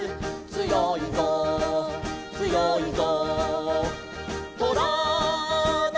「つよいぞつよいぞ」